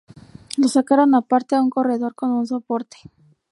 Lo sacaron aparte, a un corredor con un soporte.